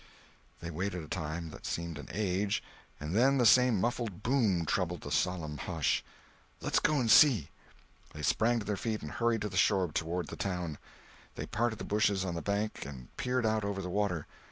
They waited a time that seemed an age, and then the same muffled boom troubled the solemn hush. "Let's go and see." They sprang to their feet and hurried to the shore toward the town. They parted the bushes on the bank and peered out over the water.